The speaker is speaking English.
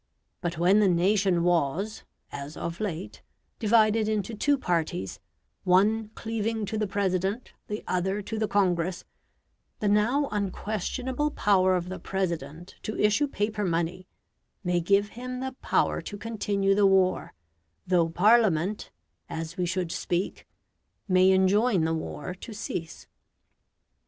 But when the nation was (as of late) divided into two parties, one cleaving to the President, the other to the Congress, the now unquestionable power of the President to issue paper money may give him the power to continue the war though Parliament (as we should speak) may enjoin the war to cease.